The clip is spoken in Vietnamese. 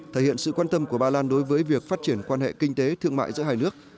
thể hiện sự quan tâm của ba lan đối với việc phát triển quan hệ kinh tế thương mại giữa hai nước